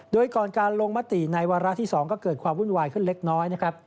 โดยก่อนการลงมติในวาระที่๒ก็เกิดความวุ่นวายขึ้นเล็กน้อยนะครับ